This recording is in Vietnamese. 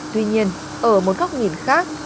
tuy nhiên ở một góc nhìn khác